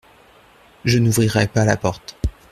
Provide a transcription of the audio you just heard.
Je n’ouvrirai pas la porte.